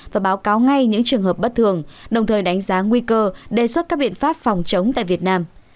và báo cáo ngay những trường hợp bất thường đồng thời đánh giá nguy cơ đề xuất các biện pháp phòng chống tại việt nam